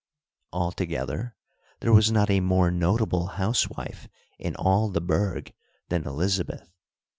Altogether there was not a more notable housewife in all the burg than Elizabeth.